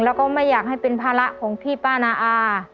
แล้วก็ไม่อยากให้เป็นภาระของที่ป้านาอา